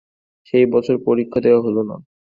সেই বছর পরীক্ষা দেওয়া হল না!